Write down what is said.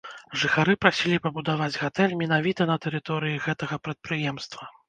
Жыхары прасілі пабудаваць гатэль менавіта на тэрыторыі гэтага прадпрыемства.